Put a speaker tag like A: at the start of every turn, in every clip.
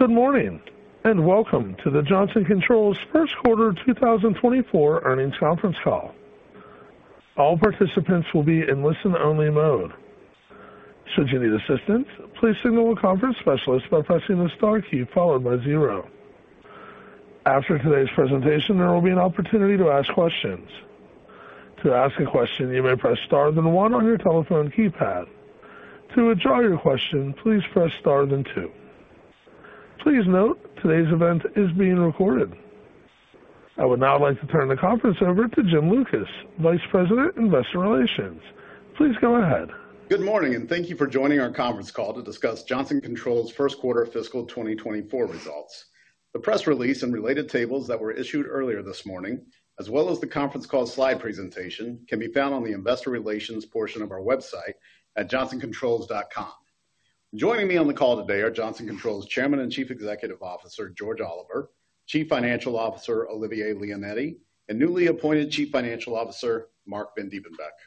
A: Good morning, and welcome to the Johnson Controls first quarter 2024 earnings conference call. All participants will be in listen-only mode. Should you need assistance, please signal a conference specialist by pressing the star key followed by zero. After today's presentation, there will be an opportunity to ask questions. To ask a question, you may press star, then one on your telephone keypad. To withdraw your question, please press star, then two. Please note, today's event is being recorded. I would now like to turn the conference over to Jim Lucas, Vice President, Investor Relations. Please go ahead.
B: Good morning, and thank you for joining our conference call to discuss Johnson Controls' first quarter fiscal 2024 results. The press release and related tables that were issued earlier this morning, as well as the conference call slide presentation, can be found on the Investor Relations portion of our website at johnsoncontrols.com. Joining me on the call today are Johnson Controls Chairman and Chief Executive Officer, George Oliver, Chief Financial Officer, Olivier Leonetti, and newly appointed Chief Financial Officer, Marc Vandiepenbeeck.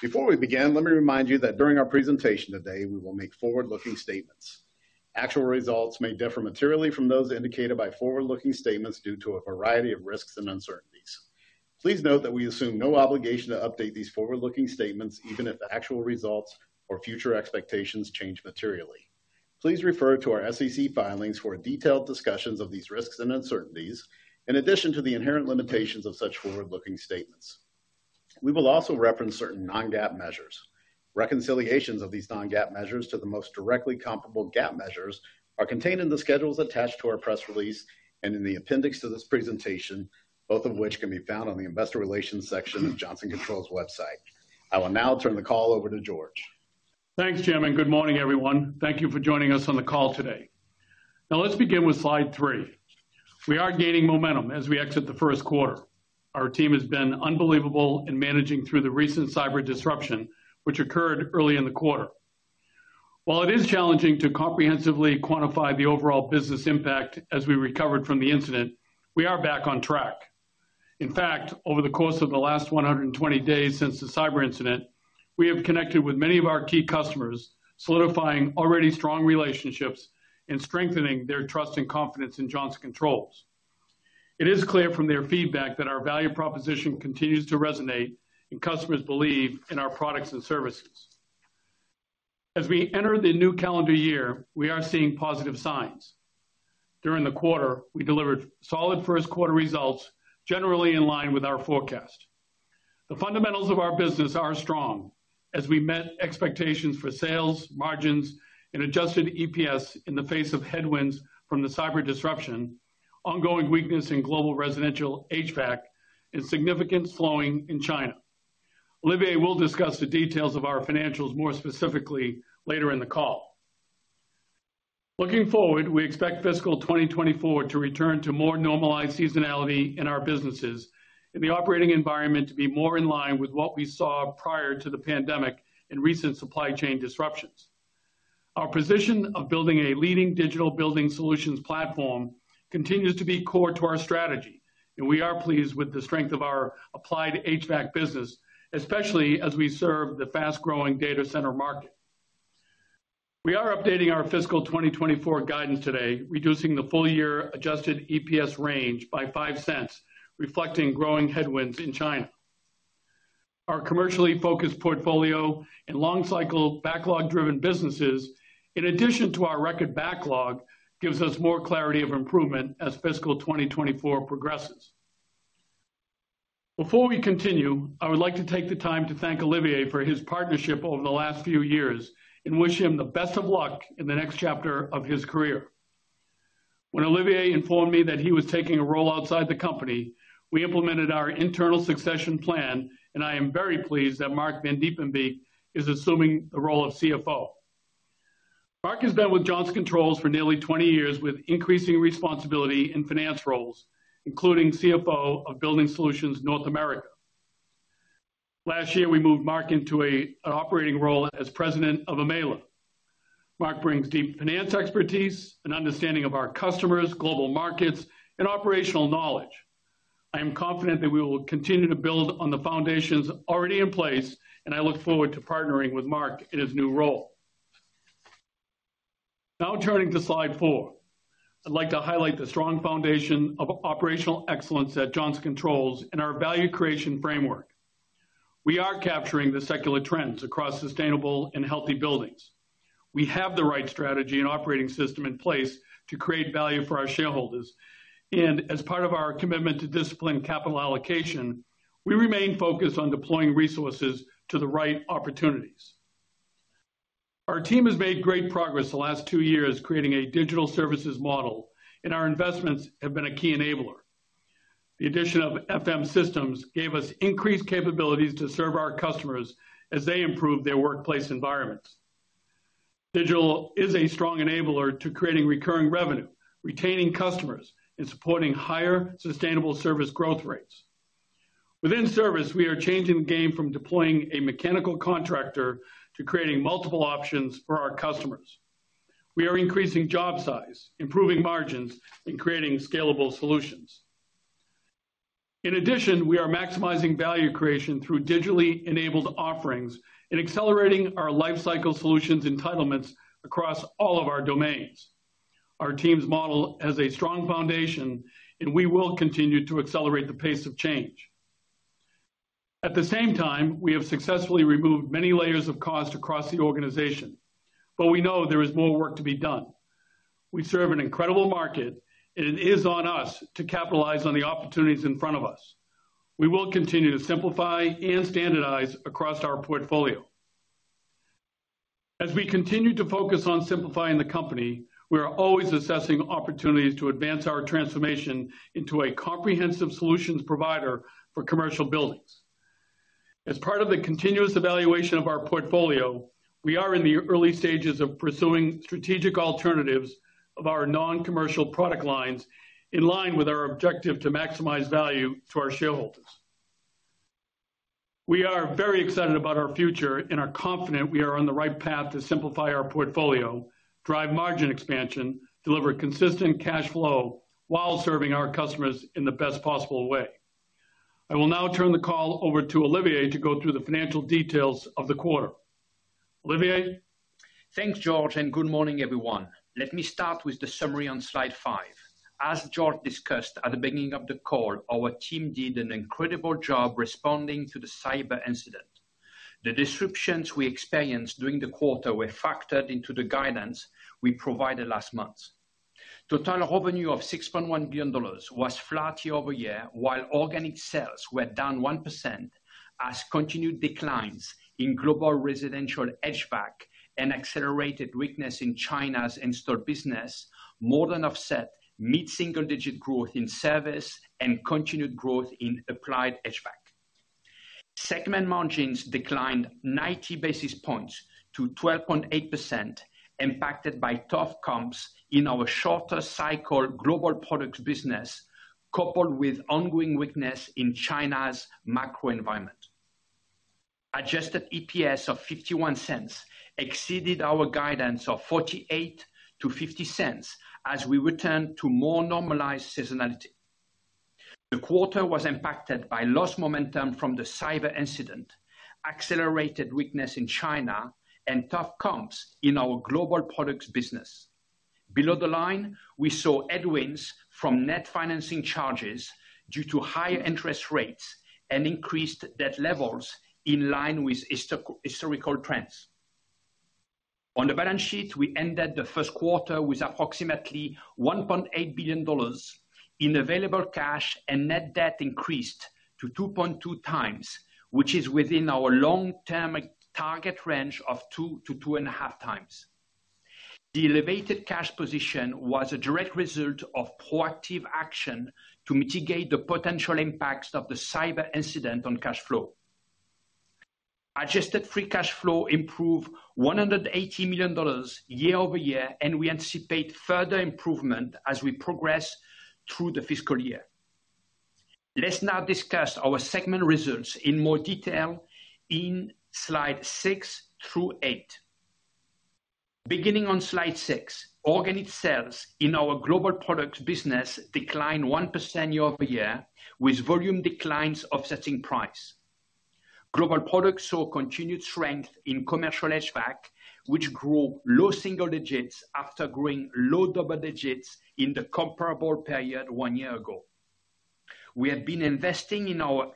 B: Before we begin, let me remind you that during our presentation today, we will make forward-looking statements. Actual results may differ materially from those indicated by forward-looking statements due to a variety of risks and uncertainties. Please note that we assume no obligation to update these forward-looking statements, even if the actual results or future expectations change materially. Please refer to our SEC filings for detailed discussions of these risks and uncertainties, in addition to the inherent limitations of such forward-looking statements. We will also reference certain non-GAAP measures. Reconciliations of these non-GAAP measures to the most directly comparable GAAP measures are contained in the schedules attached to our press release and in the appendix to this presentation, both of which can be found on the Investor Relations section of Johnson Controls' website. I will now turn the call over to George.
C: Thanks, Jim, and good morning, everyone. Thank you for joining us on the call today. Now, let's begin with slide three. We are gaining momentum as we exit the first quarter. Our team has been unbelievable in managing through the recent cyber disruption, which occurred early in the quarter. While it is challenging to comprehensively quantify the overall business impact as we recovered from the incident, we are back on track. In fact, over the course of the last 120 days since the cyber incident, we have connected with many of our key customers, solidifying already strong relationships and strengthening their trust and confidence in Johnson Controls. It is clear from their feedback that our value proposition continues to resonate, and customers believe in our products and services. As we enter the new calendar year, we are seeing positive signs. During the quarter, we delivered solid first quarter results, generally in line with our forecast. The fundamentals of our business are strong as we met expectations for sales, margins, and adjusted EPS in the face of headwinds from the cyber disruption, ongoing weakness in Global Residential HVAC, and significant slowing in China. Olivier will discuss the details of our financials more specifically later in the call. Looking forward, we expect fiscal 2024 to return to more normalized seasonality in our businesses and the operating environment to be more in line with what we saw prior to the pandemic and recent supply chain disruptions. Our position of building a leading digital Building Solutions platform continues to be core to our strategy, and we are pleased with the strength of our Applied HVAC business, especially as we serve the fast-growing data center market. We are updating our fiscal 2024 guidance today, reducing the full year adjusted EPS range by $0.05, reflecting growing headwinds in China. Our commercially focused portfolio and long-cycle backlog-driven businesses, in addition to our record backlog, gives us more clarity of improvement as fiscal 2024 progresses. Before we continue, I would like to take the time to thank Olivier for his partnership over the last few years and wish him the best of luck in the next chapter of his career. When Olivier informed me that he was taking a role outside the company, we implemented our internal succession plan, and I am very pleased that Marc Vandiepenbeeck is assuming the role of CFO. Marc has been with Johnson Controls for nearly 20 years, with increasing responsibility in finance roles, including CFO of Building Solutions, North America. Last year, we moved Marc into an operating role as President of EMEALA. Marc brings deep finance expertise and understanding of our customers, global markets, and operational knowledge. I am confident that we will continue to build on the foundations already in place, and I look forward to partnering with Marc in his new role. Now, turning to slide four. I'd like to highlight the strong foundation of operational excellence at Johnson Controls and our value creation framework. We are capturing the secular trends across sustainable and healthy buildings. We have the right strategy and operating system in place to create value for our shareholders. And as part of our commitment to disciplined capital allocation, we remain focused on deploying resources to the right opportunities. Our team has made great progress the last two years, creating a digital services model, and our investments have been a key enabler. The addition of FM:Systems gave us increased capabilities to serve our customers as they improve their workplace environments. Digital is a strong enabler to creating recurring revenue, retaining customers, and supporting higher sustainable service growth rates. Within service, we are changing the game from deploying a mechanical contractor to creating multiple options for our customers. We are increasing job size, improving margins, and creating scalable solutions. In addition, we are maximizing value creation through digitally enabled offerings and accelerating our lifecycle solutions entitlements across all of our domains. Our team's model has a strong foundation, and we will continue to accelerate the pace of change. At the same time, we have successfully removed many layers of cost across the organization, but we know there is more work to be done. We serve an incredible market, and it is on us to capitalize on the opportunities in front of us. We will continue to simplify and standardize across our portfolio. As we continue to focus on simplifying the company, we are always assessing opportunities to advance our transformation into a comprehensive solutions provider for commercial buildings. As part of the continuous evaluation of our portfolio, we are in the early stages of pursuing strategic alternatives of our non-commercial product lines, in line with our objective to maximize value to our shareholders. We are very excited about our future and are confident we are on the right path to simplify our portfolio, drive margin expansion, deliver consistent cash flow while serving our customers in the best possible way. I will now turn the call over to Olivier to go through the financial details of the quarter. Olivier?
D: Thanks, George, and good morning, everyone. Let me start with the summary on slide five. As George discussed at the beginning of the call, our team did an incredible job responding to the cyber incident. The disruptions we experienced during the quarter were factored into the guidance we provided last month. Total revenue of $6.1 billion was flat year-over-year, while organic sales were down 1%, as continued declines in Global Residential HVAC and accelerated weakness in China's installed business more than offset mid-single-digit growth in service and continued growth in Applied HVAC. Segment margins declined 90 basis points to 12.8%, impacted by tough comps in our shorter cycle Global Products business, coupled with ongoing weakness in China's macro environment. Adjusted EPS of $0.51 exceeded our guidance of $0.48-$0.50 as we return to more normalized seasonality. The quarter was impacted by lost momentum from the cyber incident, accelerated weakness in China, and tough comps in our Global Products business. Below the line, we saw headwinds from net financing charges due to higher interest rates and increased debt levels in line with historical trends. On the balance sheet, we ended the first quarter with approximately $1.8 billion in available cash, and net debt increased to 2.2x, which is within our long-term target range of 2x-2.5x. The elevated cash position was a direct result of proactive action to mitigate the potential impacts of the cyber incident on cash flow. Adjusted free cash flow improved $180 million year-over-year, and we anticipate further improvement as we progress through the fiscal year. Let's now discuss our segment results in more detail in slide six through eight. Beginning on slide six, organic sales in our Global Products business declined 1% year-over-year, with volume declines offsetting price. Global Products saw continued strength in commercial HVAC, which grew low single digits after growing low double digits in the comparable period one year ago. We have been investing in our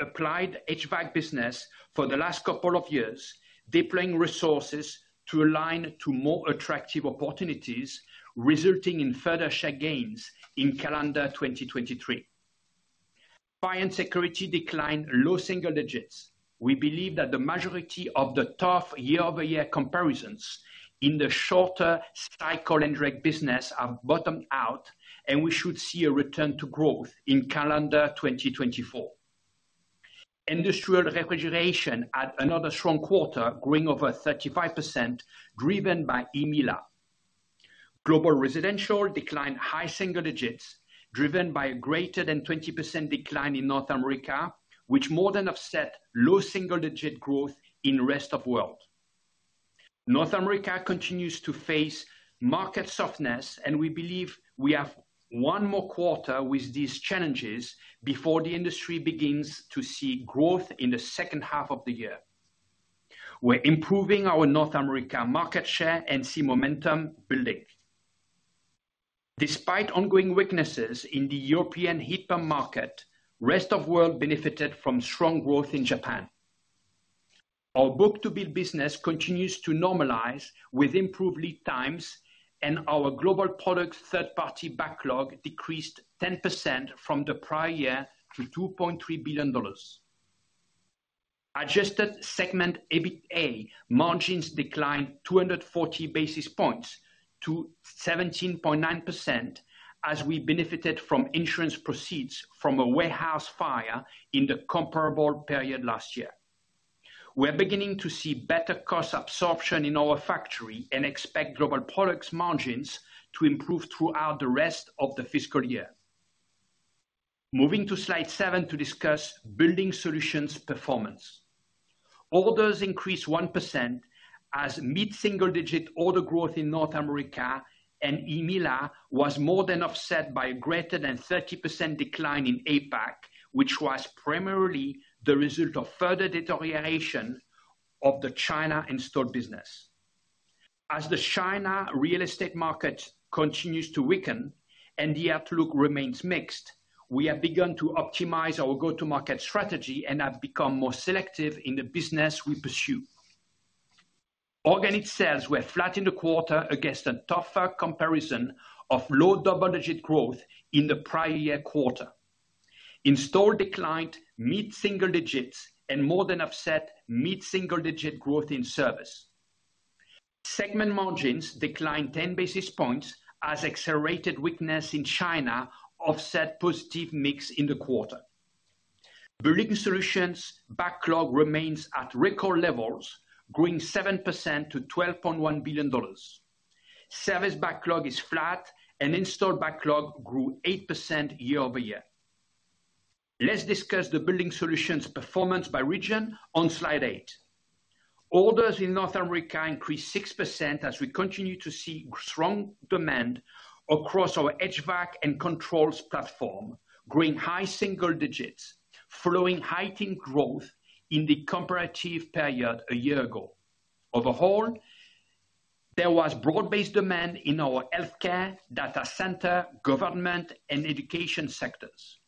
D: Applied HVAC business for the last couple of years, deploying resources to align to more attractive opportunities, resulting in further share gains in calendar 2023. Fire and Security declined low single digits. We believe that the majority of the tough year-over-year comparisons in the shorter cycle and direct business have bottomed out, and we should see a return to growth in calendar 2024. Industrial Refrigeration had another strong quarter, growing over 35%, driven by EMEALA. Global Residential declined high single digits, driven by a greater than 20% decline in North America, which more than offset low single-digit growth in Rest of World. North America continues to face market softness, and we believe we have one more quarter with these challenges before the industry begins to see growth in the second half of the year. We're improving our North American market share and see momentum building. Despite ongoing weaknesses in the European heat pump market, Rest of World benefited from strong growth in Japan. Our book-to-bill business continues to normalize with improved lead times, and our Global Products third-party backlog decreased 10% from the prior year to $2.3 billion. Adjusted segment EBITA margins declined 240 basis points to 17.9%, as we benefited from insurance proceeds from a warehouse fire in the comparable period last year. We are beginning to see better cost absorption in our factory and expect Global Products margins to improve throughout the rest of the fiscal year. Moving to Slide seven to discuss Building Solutions performance. Orders increased 1% as mid-single-digit order growth in North America and EMEALA was more than offset by a greater than 30% decline in APAC, which was primarily the result of further deterioration of the China installed business. As the China real estate market continues to weaken and the outlook remains mixed, we have begun to optimize our go-to-market strategy and have become more selective in the business we pursue. Organic sales were flat in the quarter against a tougher comparison of low double-digit growth in the prior year quarter. Installed declined mid-single digits and more than offset mid-single-digit growth in service. Segment margins declined 10 basis points as accelerated weakness in China offset positive mix in the quarter. Building Solutions backlog remains at record levels, growing 7% to $12.1 billion. Service backlog is flat, and installed backlog grew 8% year-over-year. Let's discuss the Building Solutions performance by region on slide eight. Orders in North America increased 6% as we continue to see strong demand across our HVAC and Controls platform, growing high single digits, following heightened growth in the comparative period a year ago. Overall, there was broad-based demand in our healthcare, data center, government, and education sectors.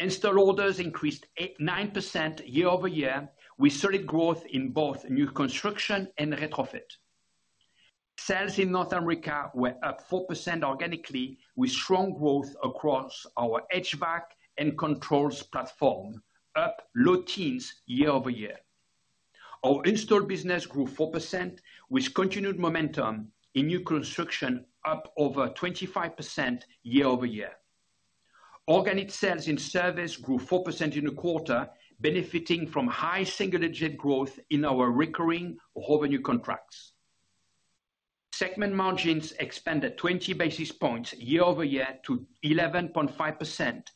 D: Install orders increased 9% year-over-year, with solid growth in both new construction and retrofit. Sales in North America were up 4% organically, with strong growth across our HVAC and Controls platform, up low teens year-over-year. Our installed business grew 4%, with continued momentum in new construction, up over 25% year-over-year. Organic sales in service grew 4% in the quarter, benefiting from high single-digit growth in our recurring revenue contracts. Segment margins expanded 20 basis points year-over-year to 11.5%,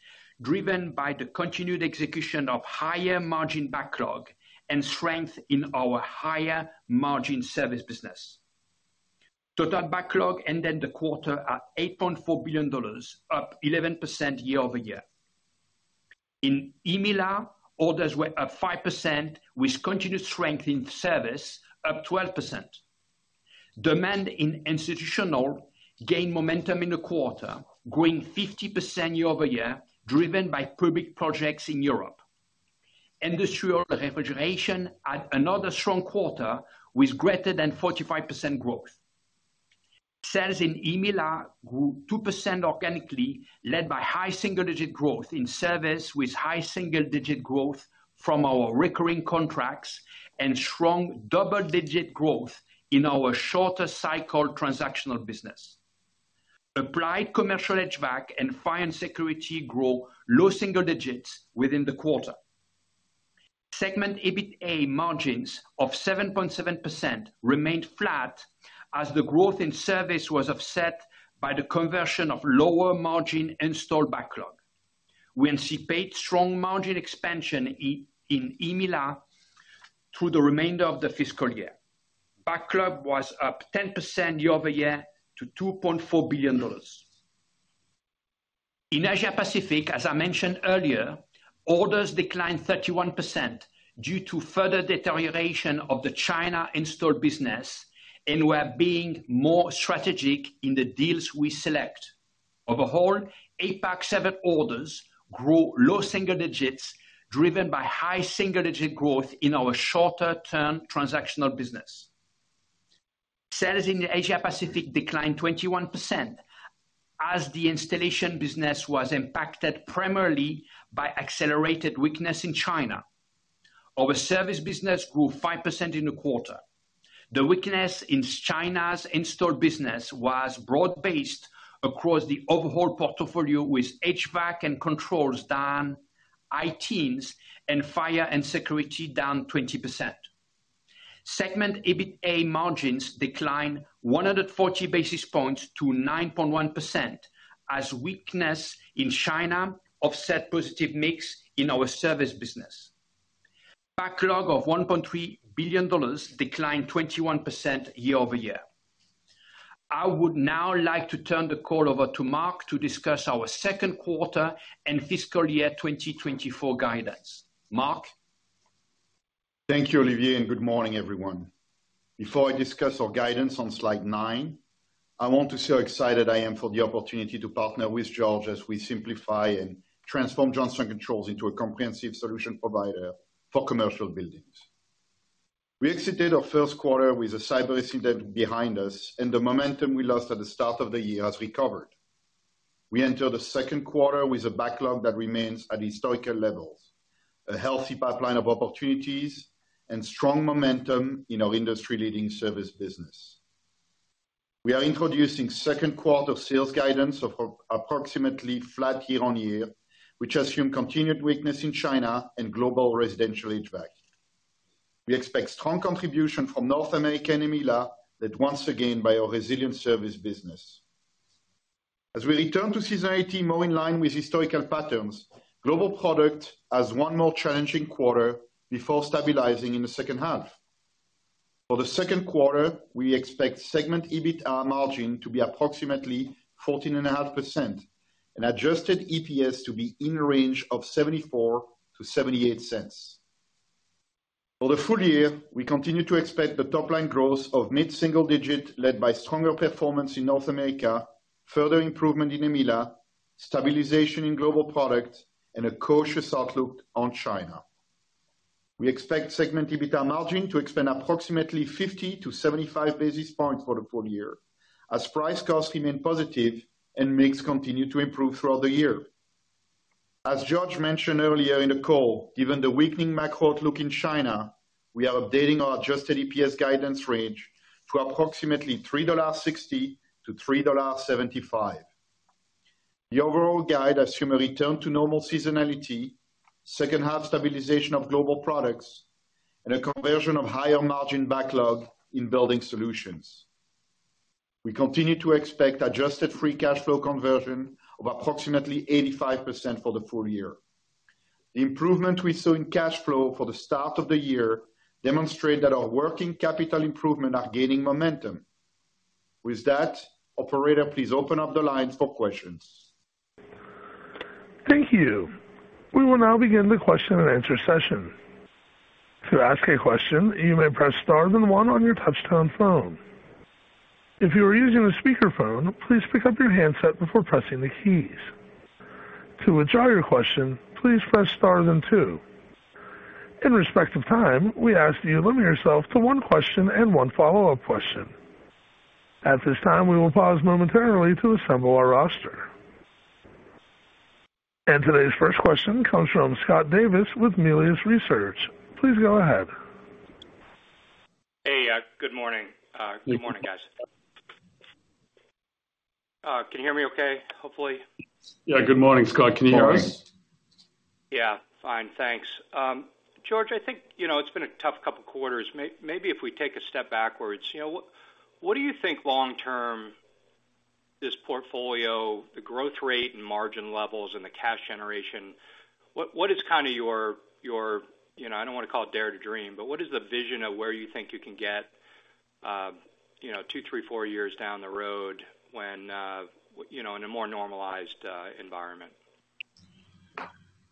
D: driven by the continued execution of higher margin backlog and strength in our higher margin service business. Total backlog ended the quarter at $8.4 billion, up 11% year-over-year. In EMEALA, orders were up 5%, with continued strength in service, up 12%. Demand in institutional gained momentum in the quarter, growing 50% year-over-year, driven by public projects in Europe. Industrial Refrigeration had another strong quarter with greater than 45% growth. Sales in EMEALA grew 2% organically, led by high single-digit growth in service, with high single-digit growth from our recurring contracts and strong double-digit growth in our shorter cycle transactional business. Applied Commercial HVAC and Fire and Security grew low single digits within the quarter. Segment EBITA margins of 7.7% remained flat as the growth in service was offset by the conversion of lower margin installed backlog. We anticipate strong margin expansion in EMEALA through the remainder of the fiscal year. Backlog was up 10% year-over-year to $2.4 billion. In Asia Pacific, as I mentioned earlier, orders declined 31% due to further deterioration of the China installed business and we are being more strategic in the deals we select. Overall, APAC service orders grew low single digits, driven by high single-digit growth in our shorter-term transactional business. Sales in the Asia Pacific declined 21%, as the installation business was impacted primarily by accelerated weakness in China. Our service business grew 5% in the quarter. The weakness in China's installed business was broad-based across the overall portfolio, with HVAC and Controls down high teens, and Fire and Security down 20%. Segment EBITA margins declined 140 basis points to 9.1%, as weakness in China offset positive mix in our service business. Backlog of $1.3 billion declined 21% year-over-year. I would now like to turn the call over to Marc to discuss our second quarter and fiscal year 2024 guidance. Marc?
E: Thank you, Olivier, and good morning, everyone. Before I discuss our guidance on slide nine, I want to say how excited I am for the opportunity to partner with George as we simplify and transform Johnson Controls into a comprehensive solution provider for commercial buildings. We exited our first quarter with a cyber incident behind us, and the momentum we lost at the start of the year has recovered. We entered the second quarter with a backlog that remains at historical levels, a healthy pipeline of opportunities, and strong momentum in our industry-leading service business. We are introducing second quarter sales guidance of approximately flat year-on-year, which assumes continued weakness in China and Global Residential HVAC. We expect strong contribution from North America and EMEALA, led once again by our resilient service business. As we return to seasonality more in line with historical patterns, Global Products has one more challenging quarter before stabilizing in the second half. For the second quarter, we expect segment EBITA margin to be approximately 14.5%, and adjusted EPS to be in range of $0.74-$0.78. For the full year, we continue to expect the top line growth of mid-single-digit, led by stronger performance in North America, further improvement in EMEALA, stabilization in Global Products, and a cautious outlook on China. We expect segment EBITA margin to expand approximately 50-75 basis points for the full year, as price/cost remain positive and mix continue to improve throughout the year. As George mentioned earlier in the call, given the weakening macro outlook in China, we are updating our adjusted EPS guidance range to approximately $3.60-$3.75. The overall guide assumes a return to normal seasonality, second half stabilization of Global Products, and a conversion of higher margin backlog in Building Solutions. We continue to expect adjusted free cash flow conversion of approximately 85% for the full year. The improvement we saw in cash flow for the start of the year demonstrate that our working capital improvement are gaining momentum. With that, operator, please open up the lines for questions.
A: Thank you. We will now begin the question and answer session. To ask a question, you may press star then one on your touchtone phone. If you are using a speakerphone, please pick up your handset before pressing the keys. To withdraw your question, please press star then two. In respect of time, we ask that you limit yourself to one question and one follow-up question. At this time, we will pause momentarily to assemble our roster. Today's first question comes from Scott Davis with Melius Research. Please go ahead.
F: Hey, good morning. Good morning, guys. Can you hear me okay, hopefully?
C: Yeah. Good morning, Scott. Can you hear us?
F: Yeah, fine. Thanks. George, I think, you know, it's been a tough couple of quarters. Maybe if we take a step backwards, you know, what, what do you think long term, this portfolio, the growth rate and margin levels and the cash generation, what, what is kind of your, your, you know, I don't want to call it dare to dream, but what is the vision of where you think you can get, you know, two, three, four years down the road when, you know, in a more normalized environment?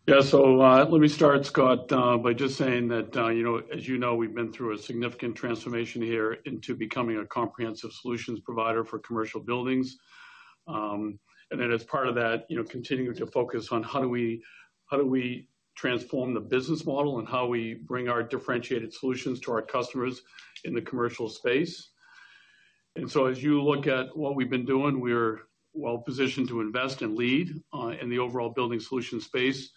C: Yeah. So, let me start, Scott, by just saying that, you know, we've been through a significant transformation here into becoming a comprehensive solutions provider for commercial buildings. And then as part of that, you know, continuing to focus on how do we, how do we transform the business model and how we bring our differentiated solutions to our customers in the commercial space? And so as you look at what we've been doing, we're well positioned to invest and lead, in the overall building solution space,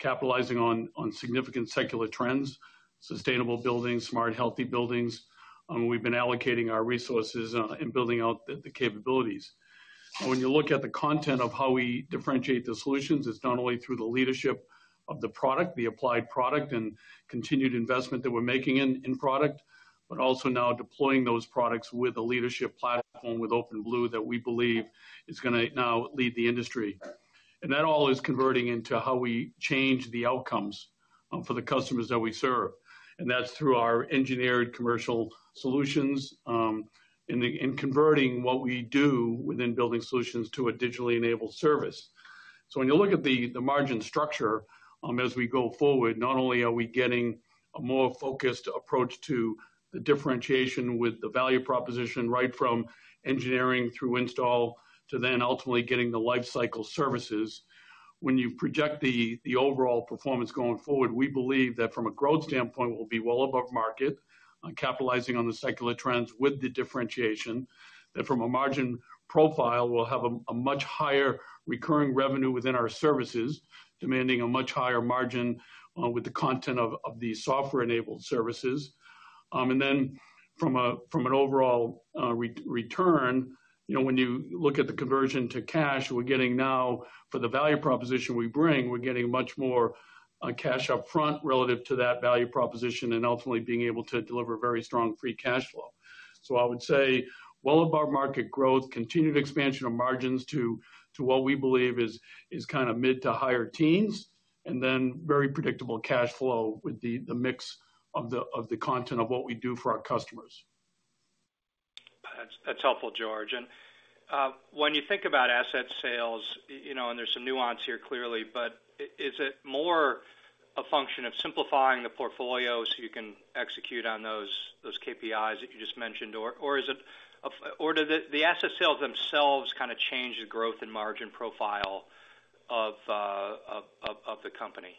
C: capitalizing on, on significant secular trends, sustainable buildings, smart, healthy buildings. We've been allocating our resources, in building out the, the capabilities. When you look at the content of how we differentiate the solutions, it's not only through the leadership of the product, the applied product and continued investment that we're making in product, but also now deploying those products with a leadership platform with OpenBlue that we believe is gonna now lead the industry. That all is converting into how we change the outcomes for the customers that we serve. That's through our engineered commercial solutions in converting what we do within Building Solutions to a digitally enabled service. When you look at the margin structure as we go forward, not only are we getting a more focused approach to the differentiation with the value proposition, right from engineering through install, to then ultimately getting the lifecycle services. When you project the overall performance going forward, we believe that from a growth standpoint, we'll be well above market on capitalizing on the secular trends with the differentiation, that from a margin profile, we'll have a much higher recurring revenue within our services, demanding a much higher margin, with the content of the software-enabled services. And then from an overall return, you know, when you look at the conversion to cash, we're getting now, for the value proposition we bring, we're getting much more cash upfront relative to that value proposition and ultimately being able to deliver very strong free cash flow. So I would say, well above market growth, continued expansion of margins to what we believe is kind of mid to higher teens, and then very predictable cash flow with the mix of the content of what we do for our customers.
F: That's helpful, George. And when you think about asset sales, you know, and there's some nuance here, clearly, but is it more a function of simplifying the portfolio so you can execute on those KPIs that you just mentioned? Or is it or do the asset sales themselves kind of change the growth and margin profile of the company?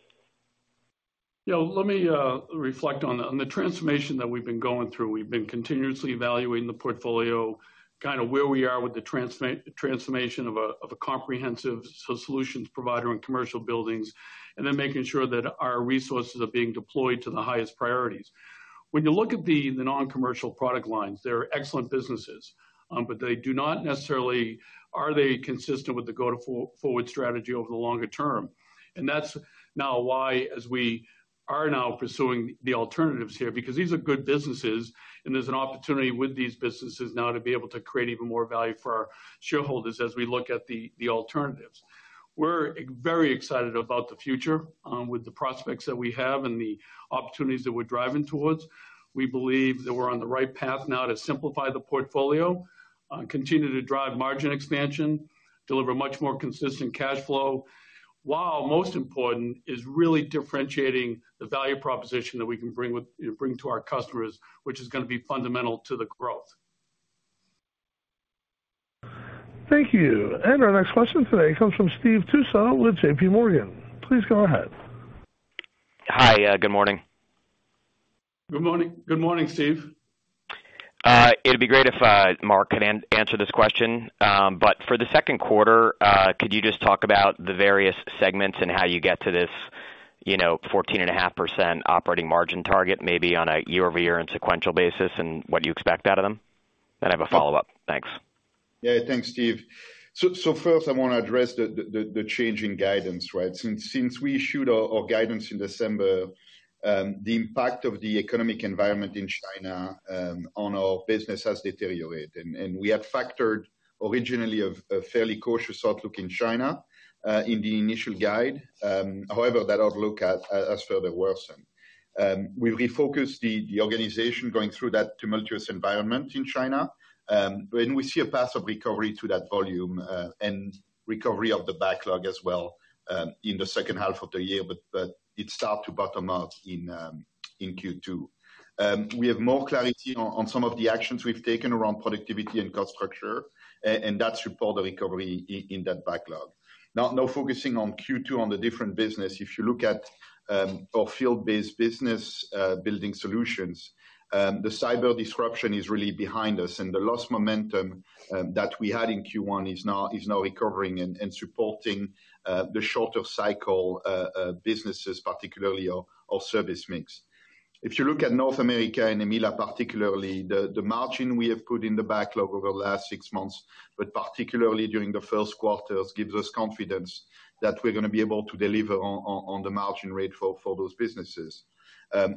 C: Yeah, let me reflect on the transformation that we've been going through. We've been continuously evaluating the portfolio, kind of where we are with the transformation of a comprehensive solutions provider in commercial buildings, and then making sure that our resources are being deployed to the highest priorities. When you look at the non-commercial product lines, they're excellent businesses, but they do not necessarily. Are they consistent with the go-forward strategy over the longer term? And that's why, as we are now pursuing the alternatives here, because these are good businesses, and there's an opportunity with these businesses now to be able to create even more value for our shareholders as we look at the alternatives. We're very excited about the future with the prospects that we have and the opportunities that we're driving towards. We believe that we're on the right path now to simplify the portfolio, continue to drive margin expansion, deliver much more consistent cash flow, while most important is really differentiating the value proposition that we can bring to our customers, which is gonna be fundamental to the growth.
A: Thank you. Our next question today comes from Steve Tusa with J.P. Morgan. Please go ahead.
G: Hi, good morning.
C: Good morning. Good morning, Steve.
G: It'd be great if Marc could answer this question. But for the second quarter, could you just talk about the various segments and how you get to this, you know, 14.5% operating margin target, maybe on a year-over-year and sequential basis, and what you expect out of them? Then I have a follow-up. Thanks.
E: Yeah, thanks, Steve. So first I wanna address the change in guidance, right? Since we issued our guidance in December, the impact of the economic environment in China on our business has deteriorated. And we had factored originally a fairly cautious outlook in China in the initial guide. However, that outlook has further worsened. We've refocused the organization going through that tumultuous environment in China, and we see a path of recovery to that volume and recovery of the backlog as well in the second half of the year. But it start to bottom out in Q2. We have more clarity on some of the actions we've taken around productivity and cost structure, and that support the recovery in that backlog. Now, focusing on Q2, on the different business, if you look at our field-based business, Building Solutions, the cyber disruption is really behind us, and the lost momentum that we had in Q1 is now recovering and supporting the shorter cycle businesses, particularly our service mix. If you look at North America and EMEALA, particularly, the margin we have put in the backlog over the last six months, but particularly during the first quarters, gives us confidence that we're gonna be able to deliver on the margin rate for those businesses.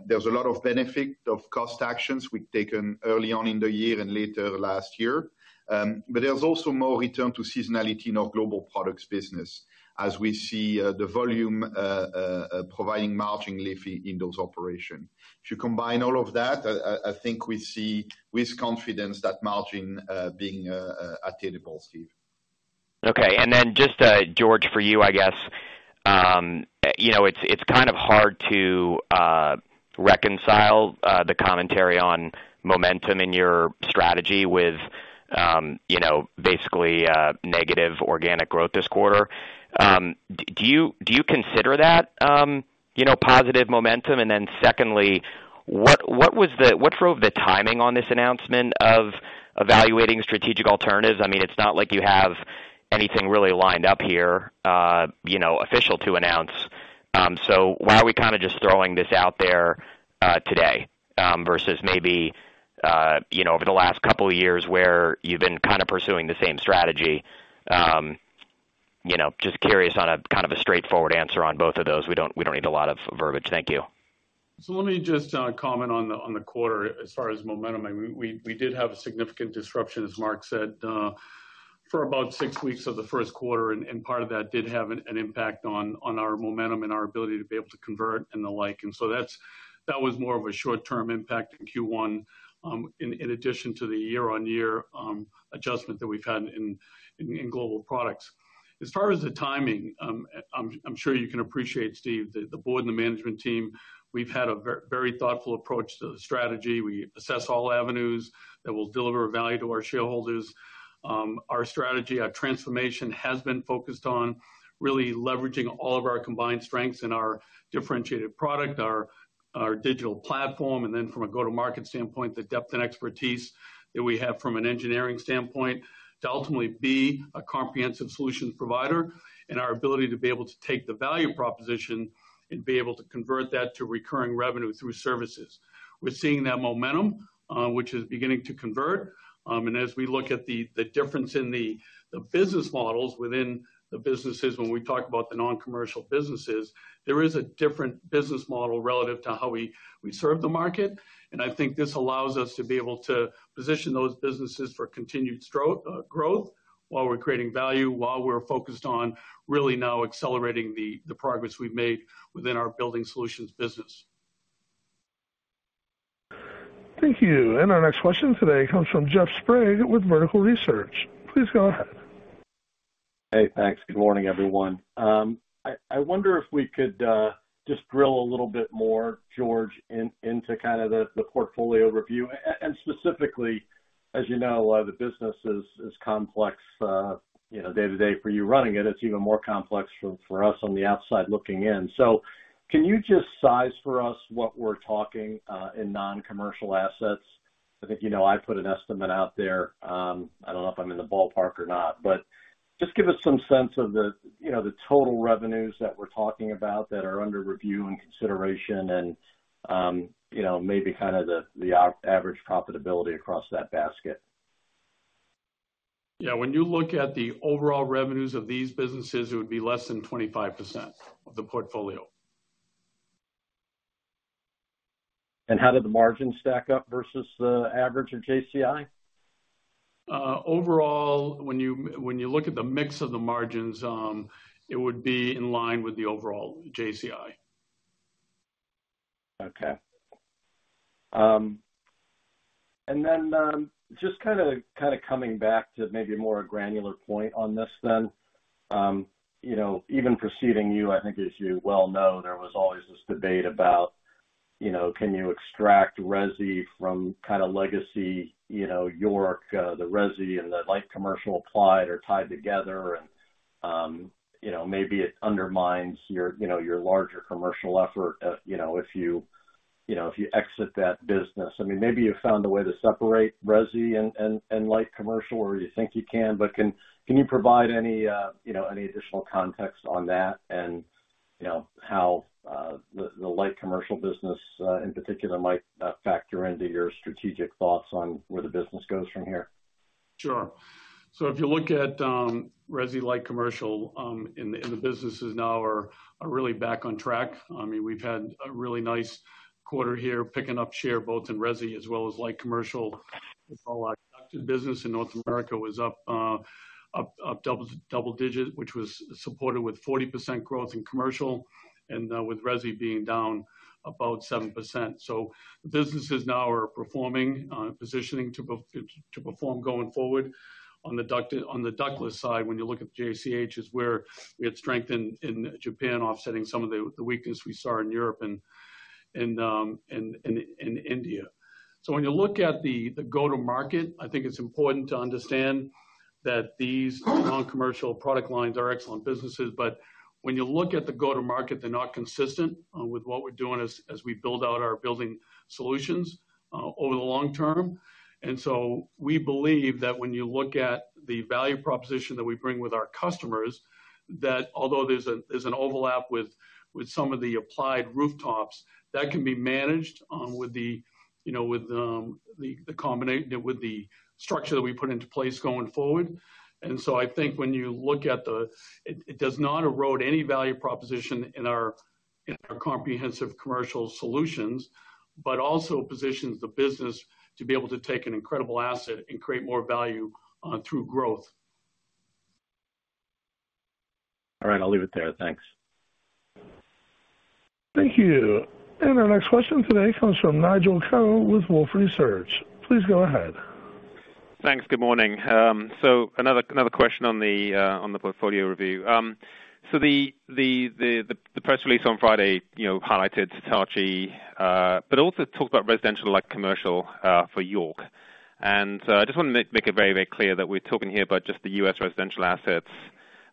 E: There's a lot of benefit of cost actions we've taken early on in the year and later last year. But there's also more return to seasonality in our Global Products business as we see the volume providing margin lifting in those operations. If you combine all of that, I think we see with confidence that margin being attainable, Steve.
G: Okay, and then just George, for you, I guess. You know, it's kind of hard to reconcile the commentary on momentum in your strategy with, you know, basically, negative organic growth this quarter. Do you consider that, you know, positive momentum? And then secondly, what drove the timing on this announcement of evaluating strategic alternatives? I mean, it's not like you have anything really lined up here, you know, official to announce. So why are we kind of just throwing this out there, today, versus maybe, you know, over the last couple of years, where you've been kind of pursuing the same strategy? You know, just curious on a kind of a straightforward answer on both of those. We don't need a lot of verbiage. Thank you.
C: So let me just comment on the quarter as far as momentum. I mean, we did have a significant disruption, as Marc said, for about six weeks of the first quarter, and part of that did have an impact on our momentum and our ability to be able to convert and the like. And so that was more of a short-term impact in Q1, in addition to the year-on-year adjustment that we've had in Global Products. As far as the timing, I'm sure you can appreciate, Steve, the board and the management team. We've had a very thoughtful approach to the strategy. We assess all avenues that will deliver value to our shareholders. Our strategy, our transformation has been focused on really leveraging all of our combined strengths and our differentiated product, our, our digital platform, and then from a go-to-market standpoint, the depth and expertise that we have from an engineering standpoint to ultimately be a comprehensive solution provider, and our ability to be able to take the value proposition and be able to convert that to recurring revenue through services. We're seeing that momentum, which is beginning to convert. And as we look at the difference in the business models within the businesses, when we talk about the non-commercial businesses, there is a different business model relative to how we serve the market. I think this allows us to be able to position those businesses for continued growth, while we're creating value, while we're focused on really now accelerating the progress we've made within our Building Solutions business.
A: Thank you. And our next question today comes from Jeff Sprague with Vertical Research. Please go ahead.
H: Hey, thanks. Good morning, everyone. I wonder if we could just drill a little bit more, George, into kind of the portfolio review, and specifically. As you know, the business is complex, you know, day-to-day for you running it. It's even more complex for us on the outside looking in. So can you just size for us what we're talking in non-commercial assets? I think, you know, I put an estimate out there. I don't know if I'm in the ballpark or not. But just give us some sense of the, you know, the total revenues that we're talking about that are under review and consideration, and, you know, maybe kind of the average profitability across that basket.
C: Yeah, when you look at the overall revenues of these businesses, it would be less than 25% of the portfolio.
H: How did the margins stack up versus the average of JCI?
C: Overall, when you look at the mix of the margins, it would be in line with the overall JCI.
H: Okay. And then, just kind of coming back to maybe a more granular point on this then. You know, even preceding you, I think as you well know, there was always this debate about, you know, can you extract resi from kind of legacy, you know, York, the resi and the light commercial applied are tied together and, you know, maybe it undermines your, you know, your larger commercial effort, you know, if you, you know, if you exit that business. I mean, maybe you found a way to separate resi and light commercial, or you think you can, but can you provide any, you know, any additional context on that? And, you know, how the light commercial business, in particular, might factor into your strategic thoughts on where the business goes from here?
C: Sure. So if you look at resi light commercial, and the businesses now are really back on track. I mean, we've had a really nice quarter here, picking up share both in resi as well as light commercial. So our business in North America was up double-digit, which was supported with 40% growth in commercial, and with resi being down about 7%. So the businesses now are performing, positioning to perform going forward. On the ductless side, when you look at JCH, is where we had strength in Japan, offsetting some of the weakness we saw in Europe and India. So when you look at the go-to-market, I think it's important to understand that these non-commercial product lines are excellent businesses, but when you look at the go-to-market, they're not consistent with what we're doing as we build out our Building Solutions over the long term. And so we believe that when you look at the value proposition that we bring with our customers, that although there's an overlap with some of the applied rooftops, that can be managed with you know with the combination with the structure that we put into place going forward. And so I think when you look at it, it does not erode any value proposition in our comprehensive commercial solutions, but also positions the business to be able to take an incredible asset and create more value through growth.
H: All right, I'll leave it there. Thanks.
A: Thank you. And our next question today comes from Nigel Coe with Wolfe Research. Please go ahead.
I: Thanks. Good morning. So another question on the portfolio review. So the press release on Friday, you know, highlighted Hitachi, but also talked about residential, like commercial, for York. And I just want to make it very clear that we're talking here about just the U.S. residential assets.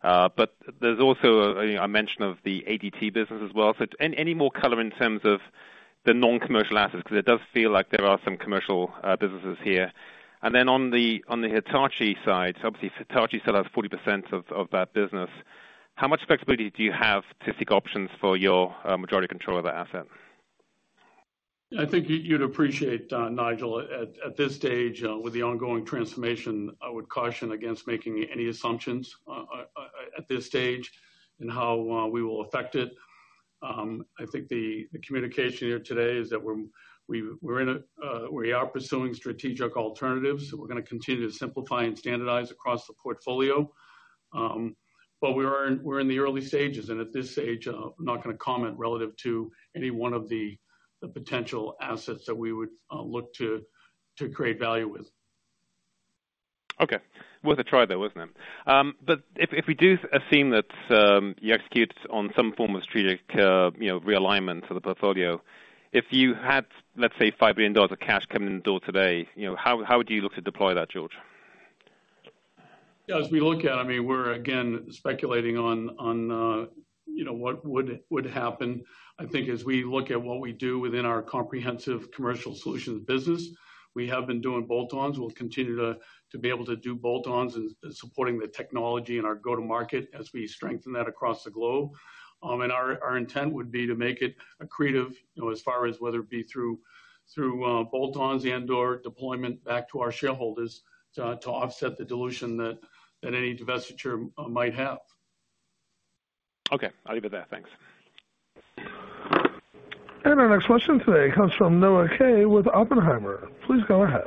I: But there's also, you know, a mention of the ADT business as well. So any more color in terms of the non-commercial assets, because it does feel like there are some commercial businesses here. And then on the Hitachi side, obviously, Hitachi still has 40% of that business. How much flexibility do you have to seek options for your majority control of that asset?
C: I think you'd appreciate, Nigel, at this stage, with the ongoing transformation, I would caution against making any assumptions at this stage and how we will affect it. I think the communication here today is that we're pursuing strategic alternatives, so we're gonna continue to simplify and standardize across the portfolio. But we're in the early stages, and at this stage, I'm not gonna comment relative to any one of the potential assets that we would look to create value with.
I: Okay. Worth a try, though, wasn't it? But if we do assume that you execute on some form of strategic, you know, realignment of the portfolio, if you had, let's say, $5 billion of cash coming in the door today, you know, how would you look to deploy that, George?
C: As we look at it, I mean, we're again speculating on what would happen. I think as we look at what we do within our comprehensive commercial solutions business, we have been doing bolt-ons. We'll continue to be able to do bolt-ons and supporting the technology and our go-to-market as we strengthen that across the globe. And our intent would be to make it accretive, you know, as far as whether it be through bolt-ons and/or deployment back to our shareholders, to offset the dilution that any divestiture might have.
I: Okay, I'll leave it there. Thanks.
A: Our next question today comes from Noah Kaye with Oppenheimer. Please go ahead.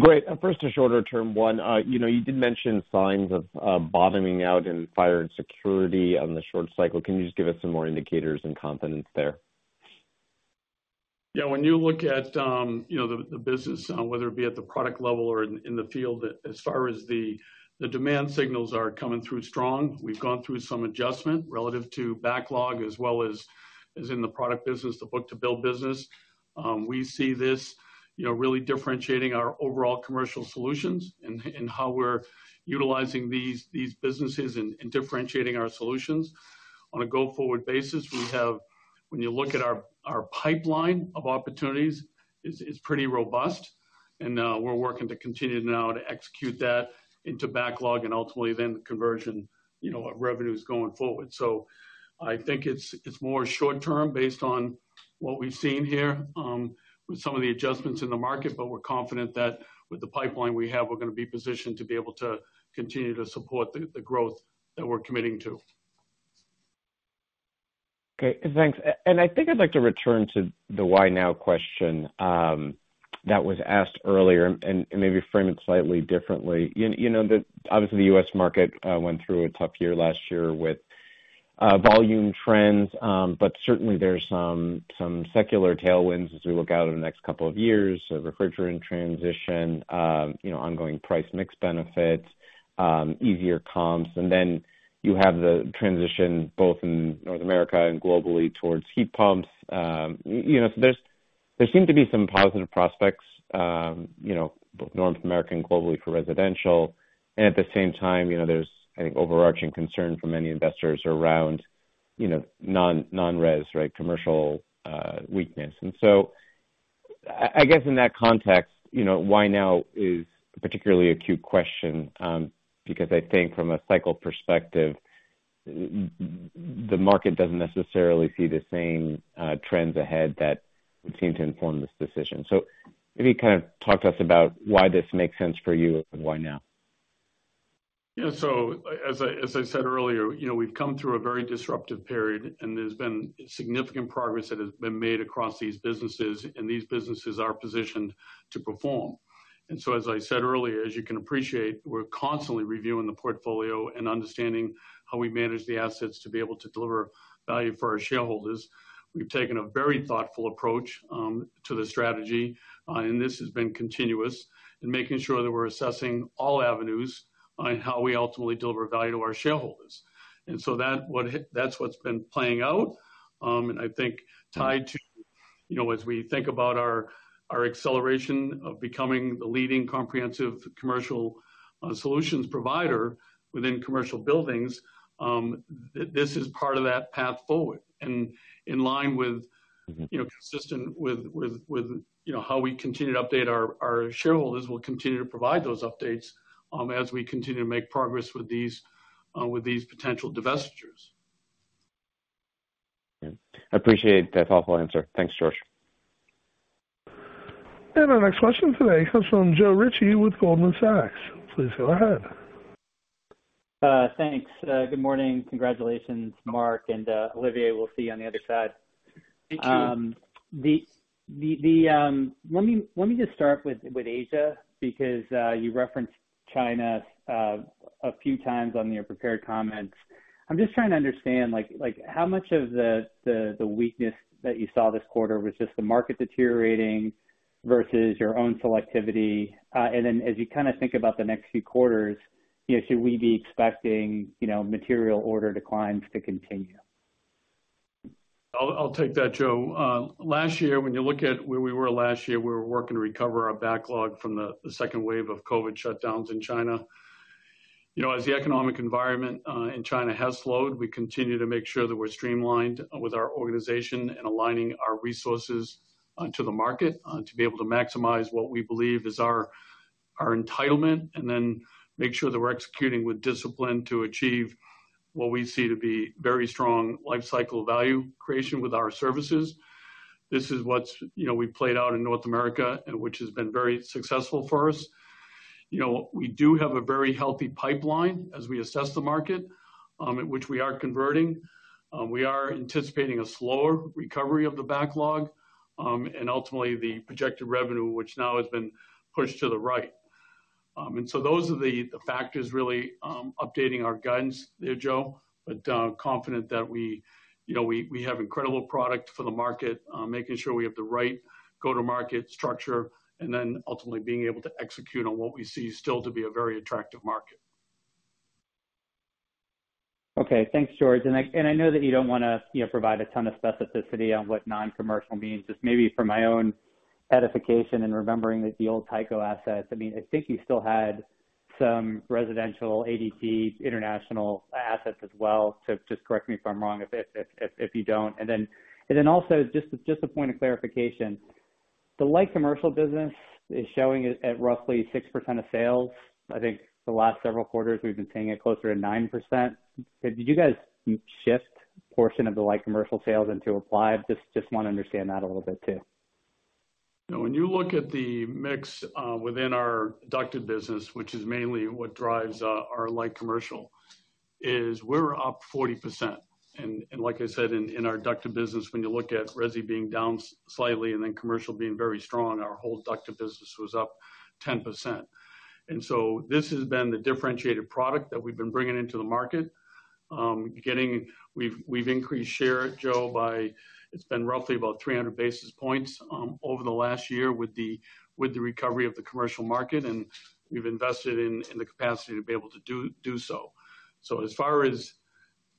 J: Great. First, a shorter-term one. You know, you did mention signs of bottoming out in Fire and Security on the short cycle. Can you just give us some more indicators and confidence there?
C: Yeah, when you look at, you know, the business, whether it be at the product level or in the field, as far as the demand signals are coming through strong. We've gone through some adjustment relative to backlog as well as in the product business, the book-to-bill business. We see this, you know, really differentiating our overall commercial solutions and how we're utilizing these businesses and differentiating our solutions. On a go-forward basis, we have, when you look at our pipeline of opportunities, is pretty robust, and we're working to continue now to execute that into backlog and ultimately then the conversion, you know, of revenues going forward. I think it's more short-term based on what we've seen here with some of the adjustments in the market, but we're confident that with the pipeline we have, we're gonna be positioned to be able to continue to support the growth that we're committing to.
J: Okay, thanks. And I think I'd like to return to the why now question that was asked earlier and maybe frame it slightly differently. You know, the, obviously, the U.S. market went through a tough year last year with volume trends, but certainly there's some secular tailwinds as we look out over the next couple of years, a refrigerant transition, you know, ongoing price mix benefits, easier comps, and then you have the transition both in North America and globally towards heat pumps. You know, so there seem to be some positive prospects, you know, both North American and globally for residential, and at the same time, you know, there's, I think, overarching concern from many investors around, you know, non-res, right? Commercial weakness. And so I guess in that context, you know, why now is a particularly acute question, because I think from a cycle perspective, the market doesn't necessarily see the same trends ahead that would seem to inform this decision. So maybe kind of talk to us about why this makes sense for you and why now?
C: Yeah, so as I, as I said earlier, you know, we've come through a very disruptive period, and there's been significant progress that has been made across these businesses, and these businesses are positioned to perform. And so, as I said earlier, as you can appreciate, we're constantly reviewing the portfolio and understanding how we manage the assets to be able to deliver value for our shareholders. We've taken a very thoughtful approach to the strategy, and this has been continuous in making sure that we're assessing all avenues on how we ultimately deliver value to our shareholders. And so that's what's been playing out. And I think tied to, you know, as we think about our, our acceleration of becoming the leading comprehensive commercial solutions provider within commercial buildings, this is part of that path forward. And in line with, you know, consistent with how we continue to update our shareholders, we'll continue to provide those updates as we continue to make progress with these potential divestitures.
J: Yeah. I appreciate that thoughtful answer. Thanks, George.
A: Our next question today comes from Joe Ritchie with Goldman Sachs. Please go ahead.
K: Thanks. Good morning. Congratulations, Marc and Olivier. We'll see you on the other side. Let me just start with Asia, because you referenced China a few times on your prepared comments. I'm just trying to understand, like, how much of the weakness that you saw this quarter was just the market deteriorating versus your own selectivity? And then as you kind of think about the next few quarters, you know, should we be expecting, you know, material order declines to continue?
C: I'll take that, Joe. Last year, when you look at where we were last year, we were working to recover our backlog from the second wave of COVID shutdowns in China. You know, as the economic environment in China has slowed, we continue to make sure that we're streamlined with our organization and aligning our resources to the market to be able to maximize what we believe is our entitlement, and then make sure that we're executing with discipline to achieve what we see to be very strong lifecycle value creation with our services. This is what's, you know, we played out in North America and which has been very successful for us. You know, we do have a very healthy pipeline as we assess the market at which we are converting. We are anticipating a slower recovery of the backlog, and ultimately the projected revenue, which now has been pushed to the right. And so those are the factors really updating our guidance there, Joe, but confident that we, you know, we have incredible product for the market, making sure we have the right go-to-market structure, and then ultimately being able to execute on what we see still to be a very attractive market.
K: Okay. Thanks, George. And I know that you don't wanna, you know, provide a ton of specificity on what non-commercial means, just maybe for my own edification and remembering that the old Tyco assets. I mean, I think you still had some residential ADT international assets as well. So just correct me if I'm wrong, if you don't. And then also, just a point of clarification, the light commercial business is showing at roughly 6% of sales. I think the last several quarters, we've been seeing it closer to 9%. Did you guys shift portion of the light commercial sales into applied? Just wanna understand that a little bit, too.
C: You know, when you look at the mix within our ducted business, which is mainly what drives our light commercial, is we're up 40%. And, and like I said, in, in our ducted business, when you look at resi being down slightly and then commercial being very strong, our whole ducted business was up 10%. And so this has been the differentiated product that we've been bringing into the market. Getting-- we've, we've increased share, Joe, by, it's been roughly about 300 basis points, over the last year with the, with the recovery of the commercial market, and we've invested in, in the capacity to be able to do, do so. So as far as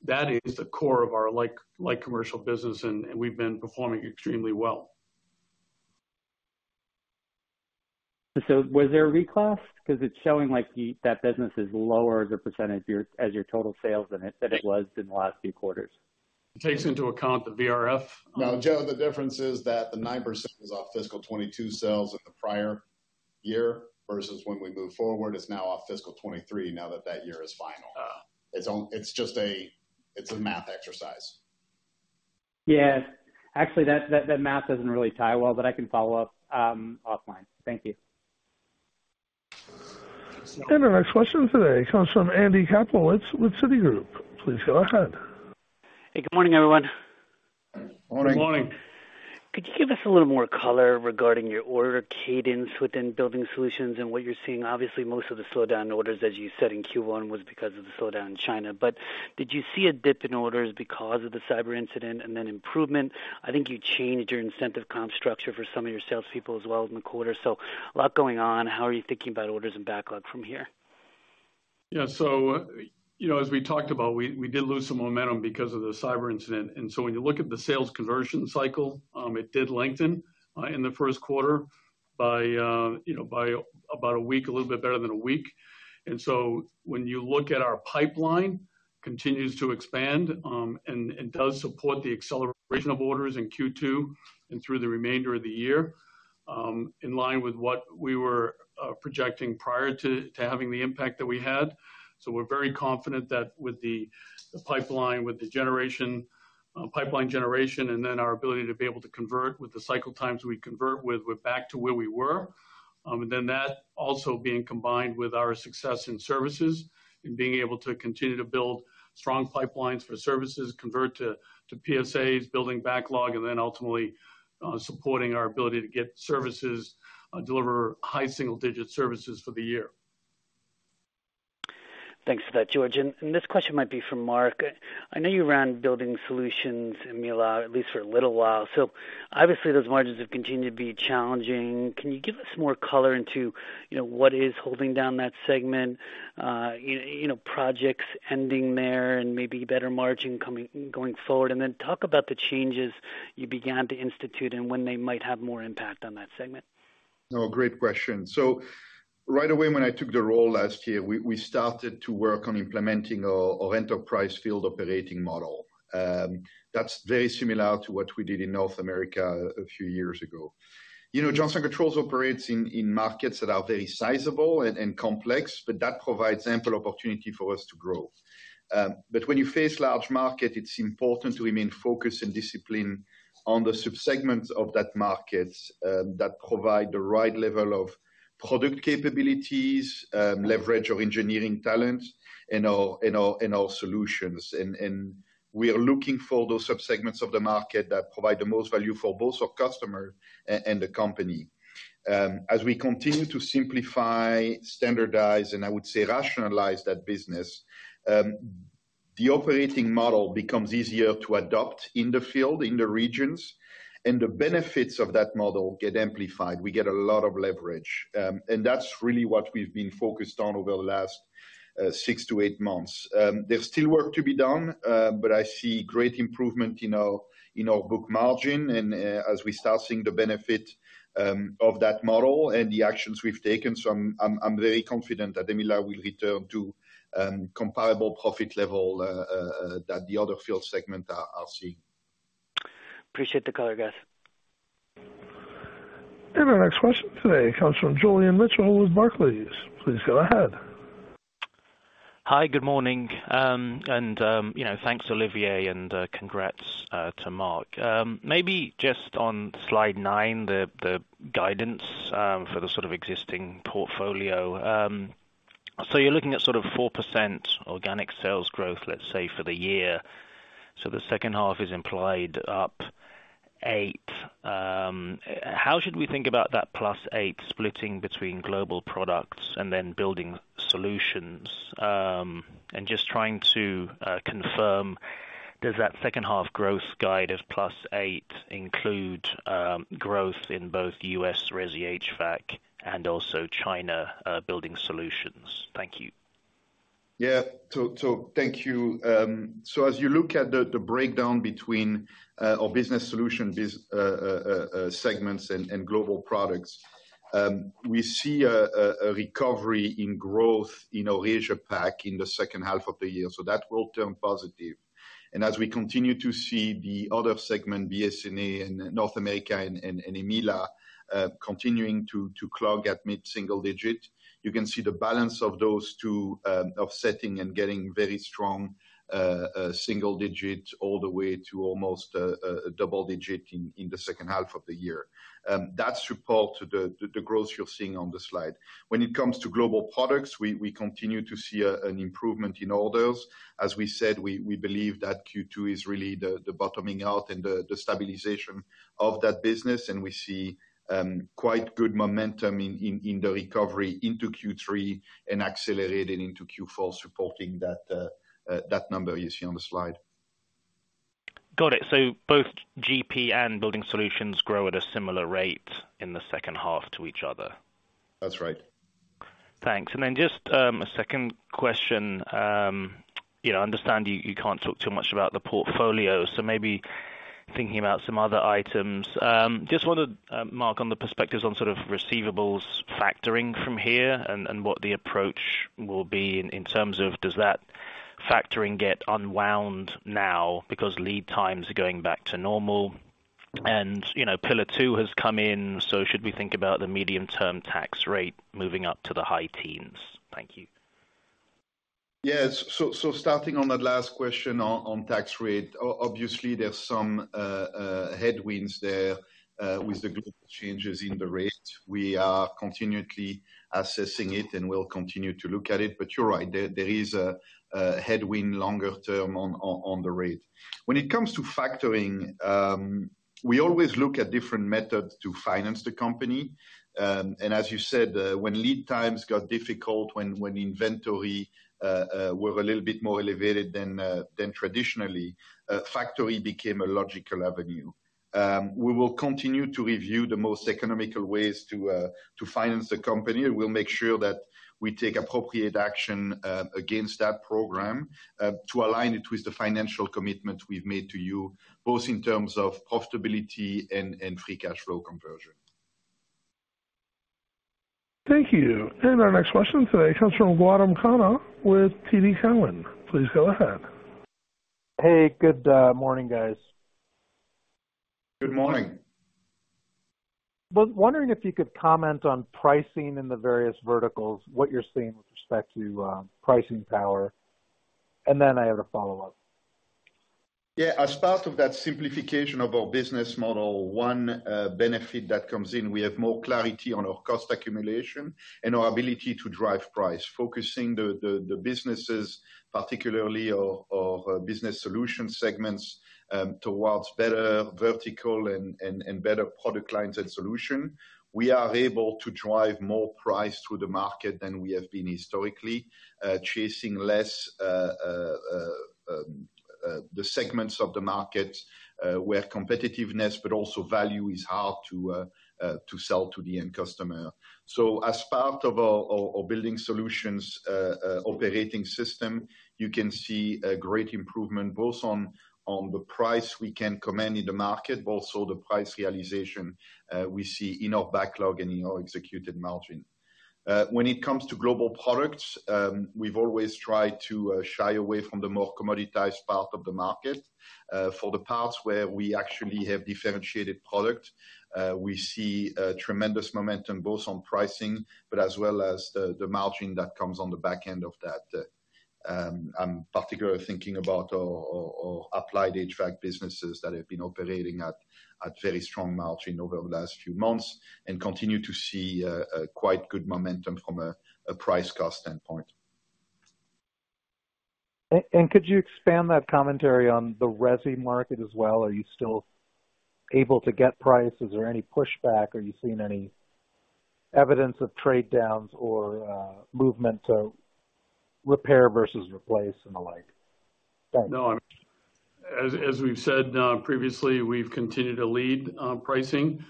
C: that is the core of our light commercial business and we've been performing extremely well.
K: Was there a reclass? 'Cause it's showing like that business is lower, the percentage of your as your total sales than it was in the last few quarters.
C: It takes into account the VRF,
B: No, Joe, the difference is that the 9% was off fiscal 2022 sales in the prior year, versus when we move forward, it's now off fiscal 2023, now that that year is final.
K: Ah.
B: It's just a, it's a math exercise.
K: Yeah. Actually, that math doesn't really tie well, but I can follow up offline. Thank you.
A: Our next question today comes from Andy Kaplowitz with Citigroup. Please go ahead.
L: Hey, good morning, everyone.
E: Morning.
C: Good morning.
L: Could you give us a little more color regarding your order cadence within Building Solutions and what you're seeing? Obviously, most of the slowdown orders, as you said in Q1, was because of the slowdown in China. But did you see a dip in orders because of the cyber incident and then improvement? I think you changed your incentive comp structure for some of your salespeople as well in the quarter. So a lot going on. How are you thinking about orders and backlog from here?
C: Yeah. So, you know, as we talked about, we, we did lose some momentum because of the cyber incident. And so when you look at the sales conversion cycle, it did lengthen in the first quarter by, you know, by about a week, a little bit better than a week. And so when you look at our pipeline, continues to expand, and, and does support the acceleration of orders in Q2 and through the remainder of the year, in line with what we were projecting prior to, to having the impact that we had. So we're very confident that with the, the pipeline, with the generation, pipeline generation, and then our ability to be able to convert with the cycle times, we convert with, we're back to where we were. and then that also being combined with our success in services and being able to continue to build strong pipelines for services, convert to PSAs, building backlog, and then ultimately supporting our ability to get services, deliver high single-digit services for the year.
L: Thanks for that, George. This question might be for Marc. I know you ran Building Solutions in EMEALA at least for a little while, so obviously those margins have continued to be challenging. Can you give us more color into, you know, what is holding down that segment? You know, projects ending there and maybe better margin coming going forward. Then talk about the changes you began to institute and when they might have more impact on that segment.
E: No, great question. So right away, when I took the role last year, we started to work on implementing our enterprise field operating model. That's very similar to what we did in North America a few years ago. You know, Johnson Controls operates in markets that are very sizable and complex, but that provides ample opportunity for us to grow. But when you face large market, it's important to remain focused and disciplined on the subsegments of that market that provide the right level of product capabilities, leverage of engineering talent in our solutions. And we are looking for those subsegments of the market that provide the most value for both our customer and the company. As we continue to simplify, standardize, and I would say rationalize that business, the operating model becomes easier to adopt in the field, in the regions, and the benefits of that model get amplified. We get a lot of leverage. That's really what we've been focused on over the last 6-8 months. There's still work to be done, but I see great improvement in our book margin. As we start seeing the benefit of that model and the actions we've taken, so I'm very confident that EMEALA will return to comparable profit level that the other field segment. I'll see.
L: Appreciate the color, guys.
A: Our next question today comes from Julian Mitchell with Barclays. Please go ahead.
M: Hi, good morning. You know, thanks, Olivier, and congrats to Marc. Maybe just on slide nine, the guidance for the sort of existing portfolio. You're looking at sort of 4% organic sales growth, let's say, for the year. The second half is implied up 8%. How should we think about that +8% splitting between Global Products and then Building Solutions? Just trying to confirm, does that second half growth guide of +8% include growth in both U.S. resi HVAC and also China Building Solutions? Thank you.
E: Yeah. So thank you. As you look at the breakdown between our Building Solutions business segments and Global Products, we see a recovery in growth in our Asia-Pac in the second half of the year, so that will turn positive. And as we continue to see the other segment, BSNA and North America and EMEALA, continuing to grow at mid-single-digit, you can see the balance of those two offsetting and getting very strong single-digit all the way to almost double-digit in the second half of the year. That support the growth you're seeing on the slide. When it comes to Global Products, we continue to see an improvement in orders. As we said, we believe that Q2 is really the bottoming out and the stabilization of that business, and we see quite good momentum in the recovery into Q3 and accelerated into Q4, supporting that number you see on the slide.
M: Got it. So both GP and Building Solutions grow at a similar rate in the second half to each other?
E: That's right.
M: Thanks. And then just, a second question. You know, I understand you, you can't talk too much about the portfolio, so maybe thinking about some other items. Just wanted to, Marc, on the perspectives on sort of receivables factoring from here, and, and what the approach will be in, in terms of, does that factoring get unwound now because lead times are going back to normal? And, you know, Pillar Two has come in, so should we think about the medium-term tax rate moving up to the high teens? Thank you.
E: Yes. So starting on that last question on tax rate, obviously, there's some headwinds there with the global changes in the rate. We are continually assessing it, and we'll continue to look at it. But you're right, there is a headwind longer term on the rate. When it comes to factoring, we always look at different methods to finance the company. And as you said, when lead times got difficult, when inventory were a little bit more elevated than traditionally, factoring became a logical avenue. We will continue to review the most economical ways to finance the company. We'll make sure that we take appropriate action, against that program, to align it with the financial commitment we've made to you, both in terms of profitability and free cash flow conversion.
A: Thank you. Our next question today comes from Gautam Khanna with TD Cowen. Please go ahead.
N: Hey, good morning, guys.
E: Good morning.
N: Was wondering if you could comment on pricing in the various verticals, what you're seeing with respect to, pricing power. And then I have a follow-up.
E: Yeah, as part of that simplification of our business model, one benefit that comes in, we have more clarity on our cost accumulation and our ability to drive price. Focusing the businesses, particularly our Building Solutions segments, towards better vertical and better product lines and solution, we are able to drive more price to the market than we have been historically, chasing less the segments of the market where competitiveness, but also value, is hard to sell to the end customer. So as part of our Building Solutions operating system, you can see a great improvement both on the price we can command in the market, but also the price realization we see in our backlog and in our executed margin. When it comes to Global Products, we've always tried to shy away from the more commoditized part of the market. For the parts where we actually have differentiated product, we see a tremendous momentum both on pricing, but as well as the margin that comes on the back end of that. I'm particularly thinking about our Applied HVAC businesses that have been operating at very strong margin over the last few months and continue to see a quite good momentum from a price/cost standpoint.
N: And could you expand that commentary on the resi market as well? Are you still able to get price? Is there any pushback? Are you seeing any evidence of trade-downs or movement of repair versus replace and the like? Thanks.
C: No, as we've said previously, we've continued to lead pricing,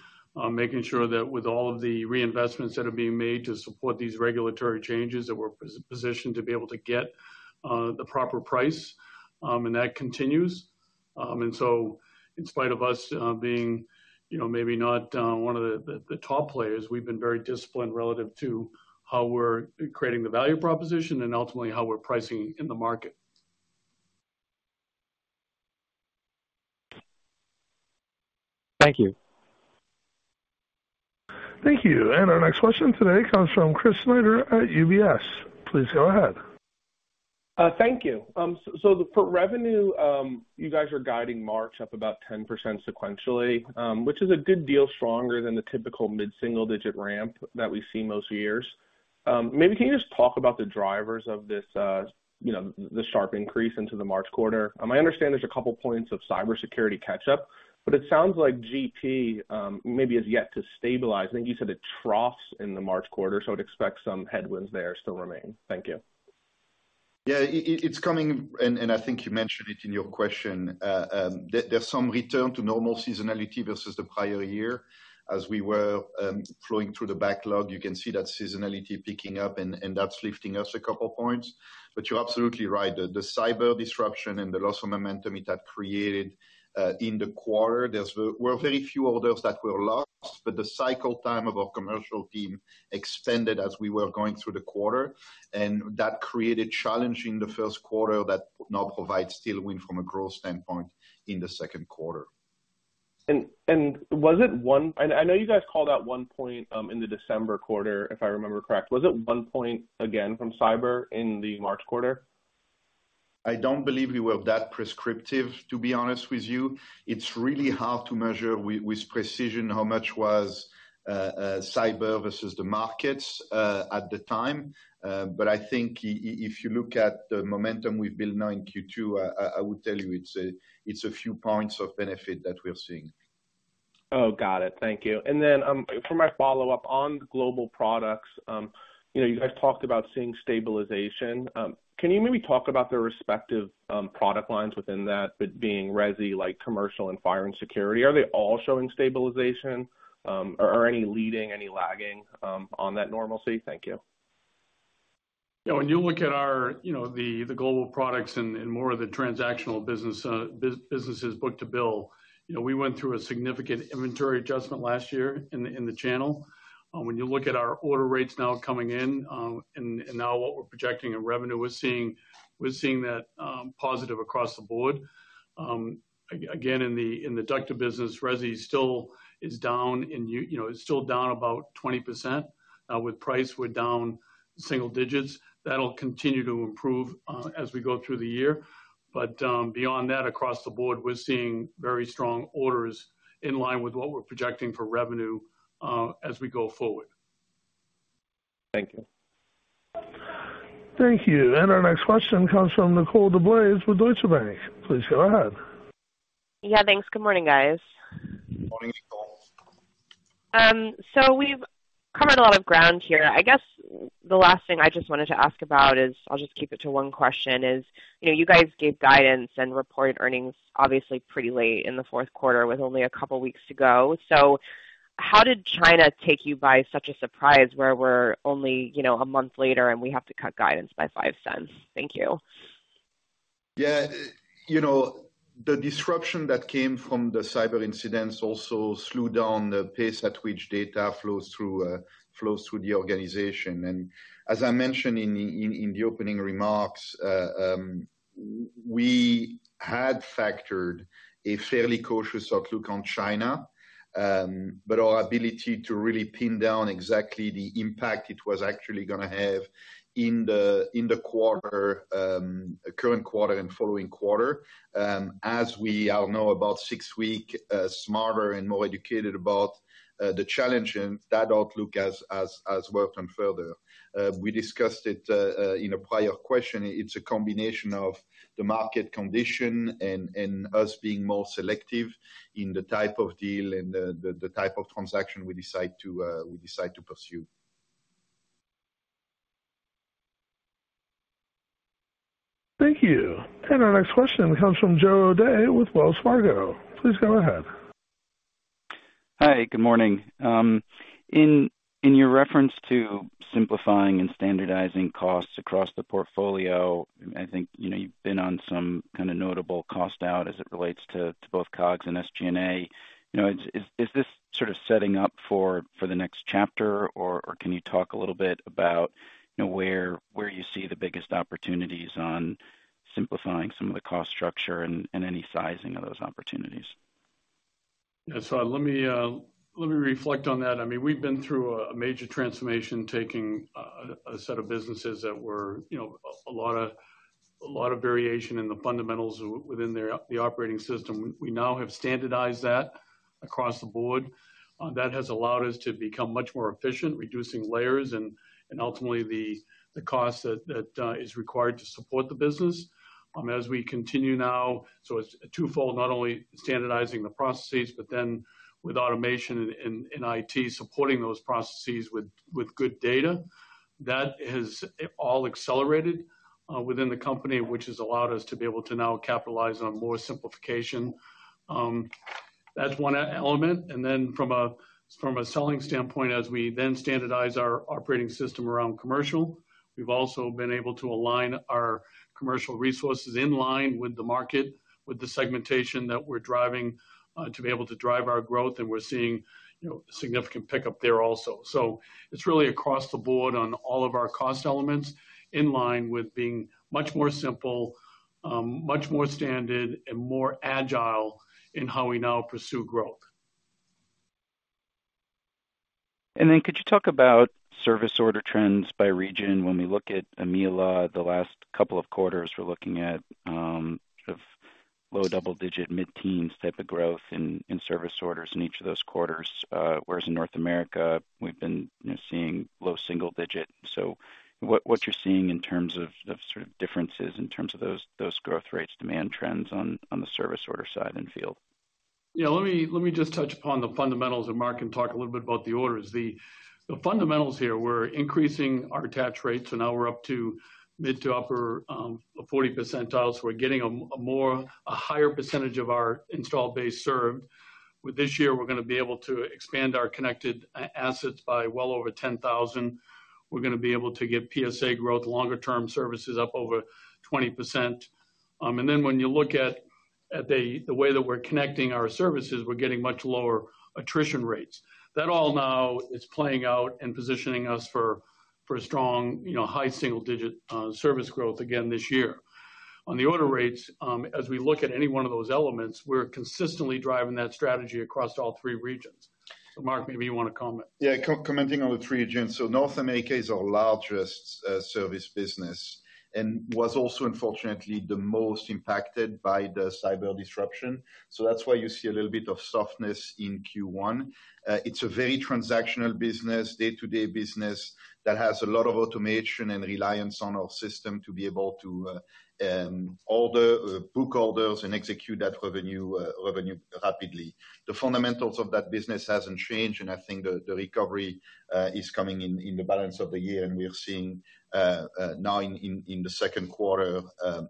C: making sure that with all of the reinvestments that are being made to support these regulatory changes, that we're positioned to be able to get the proper price, and that continues. And so in spite of us being, you know, maybe not one of the top players, we've been very disciplined relative to how we're creating the value proposition and ultimately how we're pricing in the market.
N: Thank you.
A: Thank you. Our next question today comes from Chris Snyder at UBS. Please go ahead.
O: Thank you. So, for revenue, you guys are guiding March up about 10% sequentially, which is a good deal stronger than the typical mid-single digit ramp that we see most years. Maybe can you just talk about the drivers of this, you know, the sharp increase into the March quarter? I understand there's a couple points of cybersecurity catch-up, but it sounds like GP, maybe has yet to stabilize. I think you said it troughs in the March quarter, so I would expect some headwinds there still remain. Thank you.
E: Yeah, it's coming, and I think you mentioned it in your question. There's some return to normal seasonality versus the prior year. As we were flowing through the backlog, you can see that seasonality picking up, and that's lifting us a couple points. But you're absolutely right, the cyber disruption and the loss of momentum it had created in the quarter, there were very few orders that were lost, but the cycle time of our commercial team extended as we were going through the quarter, and that created challenge in the first quarter that now provides tailwind from a growth standpoint in the second quarter.
O: And was it one – and I know you guys called out 1 point in the December quarter, if I remember correct. Was it 1 point again from cyber in the March quarter?
E: I don't believe we were that prescriptive, to be honest with you. It's really hard to measure with precision how much was cyber versus the markets at the time. But I think if you look at the momentum we've built now in Q2, I would tell you, it's a, it's a few points of benefit that we're seeing.
O: Oh, got it. Thank you. And then, for my follow-up on Global Products, you know, you guys talked about seeing stabilization. Can you maybe talk about the respective product lines within that, but being resi, like, commercial and Fire and Security? Are they all showing stabilization? Are any leading, any lagging, on that normalcy? Thank you.
C: Yeah, when you look at our, you know, the Global Products and more of the transactional business, businesses book-to-bill, you know, we went through a significant inventory adjustment last year in the channel. When you look at our order rates now coming in, and now what we're projecting in revenue, we're seeing that positive across the board. Again, in the ducted business, resi still is down in the U.S. You know, it's still down about 20%. With price, we're down single digits. That'll continue to improve as we go through the year. But beyond that, across the board, we're seeing very strong orders in line with what we're projecting for revenue as we go forward.
O: Thank you.
A: Thank you. And our next question comes from Nicole DeBlase with Deutsche Bank. Please go ahead.
P: Yeah, thanks. Good morning, guys.
E: Morning, Nicole.
P: So we've covered a lot of ground here. I guess the last thing I just wanted to ask about is, I'll just keep it to one question is, you know, you guys gave guidance and reported earnings obviously pretty late in the fourth quarter, with only a couple of weeks to go. So how did China take you by such a surprise, where we're only, you know, a month later, and we have to cut guidance by $0.05? Thank you.
E: Yeah. You know, the disruption that came from the cyber incidents also slowed down the pace at which data flows through the organization. And as I mentioned in the opening remarks, we had factored a fairly cautious outlook on China, but our ability to really pin down exactly the impact it was actually gonna have in the current quarter and following quarter, as we now know, about six weeks, smarter and more educated about the challenge and that outlook has worsened further. We discussed it in a prior question. It's a combination of the market condition and us being more selective in the type of deal and the type of transaction we decide to pursue.
A: Thank you. And our next question comes from Joe O'Dea with Wells Fargo. Please go ahead.
Q: Hi, good morning. In your reference to simplifying and standardizing costs across the portfolio, I think, you know, you've been on some kind of notable cost out as it relates to both COGS and SG&A. You know, is this sort of setting up for the next chapter, or can you talk a little bit about, you know, where you see the biggest opportunities on simplifying some of the cost structure and any sizing of those opportunities?
C: Yeah, so let me reflect on that. I mean, we've been through a major transformation, taking a set of businesses that were, you know, a lot of variation in the fundamentals within the operating system. We now have standardized that across the board. That has allowed us to become much more efficient, reducing layers and ultimately, the cost that is required to support the business. As we continue now, so it's a twofold, not only standardizing the processes, but then with automation and IT supporting those processes with good data, that has all accelerated within the company, which has allowed us to be able to now capitalize on more simplification. That's one element. Then from a selling standpoint, as we then standardize our operating system around commercial, we've also been able to align our commercial resources in line with the market, with the segmentation that we're driving, to be able to drive our growth, and we're seeing, you know, significant pickup there also. So it's really across the board on all of our cost elements, in line with being much more simple, much more standard, and more agile in how we now pursue growth.
Q: Could you talk about service order trends by region? When we look at EMEALA, the last couple of quarters, we're looking at sort of low double-digit, mid-teens type of growth in service orders in each of those quarters. Whereas in North America, we've been, you know, seeing low single-digit. So what you're seeing in terms of sort of differences in terms of those growth rates, demand trends on the service order side and field?
C: Yeah, let me just touch upon the fundamentals, and Marc can talk a little bit about the orders. The fundamentals here, we're increasing our attach rates, and now we're up to mid- to upper-40 percentile. So we're getting a more, a higher percentage of our installed base served. This year, we're gonna be able to expand our connected assets by well over 10,000. We're gonna be able to get PSA growth, longer-term services up over 20%. And then when you look at the way that we're connecting our services, we're getting much lower attrition rates. That all now is playing out and positioning us for a strong, you know, high single-digit service growth again this year. On the order rates, as we look at any one of those elements, we're consistently driving that strategy across all three regions. So Marc, maybe you wanna comment?
E: Yeah, commenting on the three regions. So North America is our largest service business, and was also, unfortunately, the most impacted by the cyber disruption. So that's why you see a little bit of softness in Q1. It's a very transactional business, day-to-day business, that has a lot of automation and reliance on our system to be able to order, book orders, and execute that revenue rapidly. The fundamentals of that business hasn't changed, and I think the recovery is coming in the balance of the year, and we are seeing now in the second quarter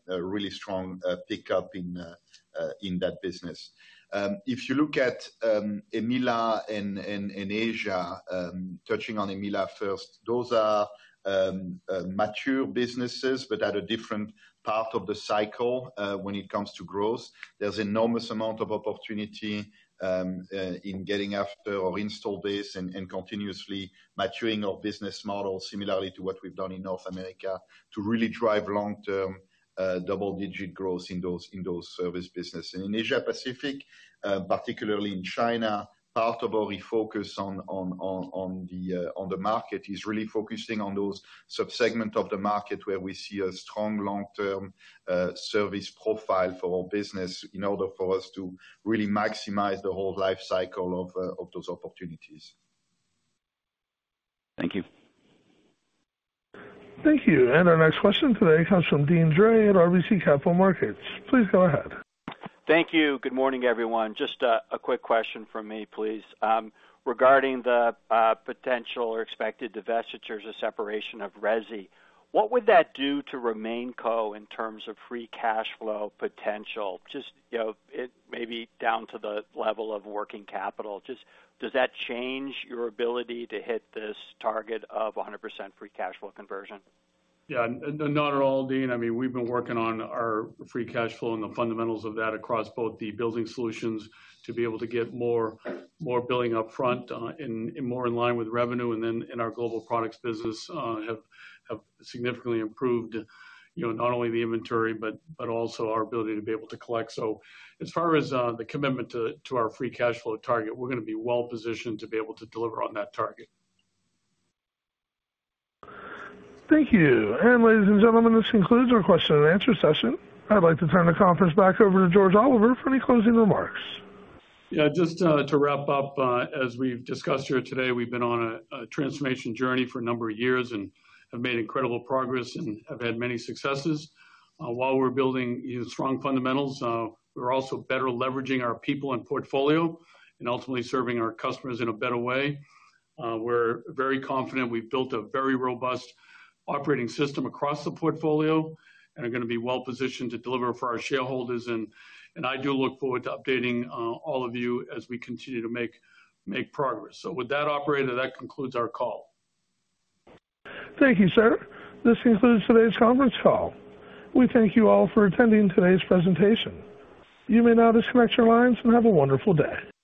E: a really strong pickup in that business. If you look at EMEALA and Asia, touching on EMEALA first, those are mature businesses, but at a different part of the cycle when it comes to growth. There's enormous amount of opportunity in getting after our installed base and continuously maturing our business model, similarly to what we've done in North America, to really drive long-term double-digit growth in those service businesses. And in Asia Pacific, particularly in China, part of our refocus on the market is really focusing on those sub-segment of the market where we see a strong long-term service profile for our business, in order for us to really maximize the whole lifecycle of those opportunities.
Q: Thank you.
A: Thank you. Our next question today comes from Deane Dray at RBC Capital Markets. Please go ahead.
R: Thank you. Good morning, everyone. Just, a quick question from me, please. Regarding the, potential or expected divestitures or separation of resi, what would that do to RemainCo in terms of free cash flow potential? Just, you know, it may be down to the level of working capital. Just, does that change your ability to hit this target of 100% free cash flow conversion?
C: Yeah, not at all, Deane. I mean, we've been working on our free cash flow and the fundamentals of that across both the Building Solutions to be able to get more billing upfront, and more in line with revenue, and then in our Global Products business, have significantly improved, you know, not only the inventory, but also our ability to be able to collect. So as far as the commitment to our free cash flow target, we're gonna be well positioned to be able to deliver on that target.
A: Thank you. Ladies and gentlemen, this concludes our question and answer session. I'd like to turn the conference back over to George Oliver for any closing remarks.
C: Yeah, just to wrap up, as we've discussed here today, we've been on a transformation journey for a number of years and have made incredible progress and have had many successes. While we're building strong fundamentals, we're also better leveraging our people and portfolio, and ultimately serving our customers in a better way. We're very confident we've built a very robust operating system across the portfolio, and are gonna be well positioned to deliver for our shareholders, and I do look forward to updating all of you as we continue to make progress. With that, operator, that concludes our call.
A: Thank you, sir. This concludes today's conference call. We thank you all for attending today's presentation. You may now disconnect your lines, and have a wonderful day.